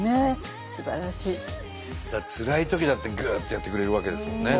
つらいときだってグ！ってやってくれるわけですもんね。